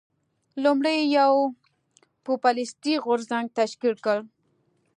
لومړی یو پوپلیستي غورځنګ تشکیل کړ.